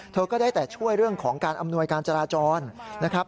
เธอก็ได้แต่ช่วยเรื่องของการอำนวยการจราจรนะครับ